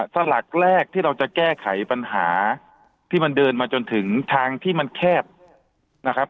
สลักแรกที่เราจะแก้ไขปัญหาที่มันเดินมาจนถึงทางที่มันแคบนะครับ